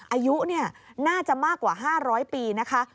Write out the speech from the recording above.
อายุน่าจะมากกว่า๕๐๐ปีนะคะ